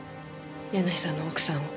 柳井さんの奥さんを。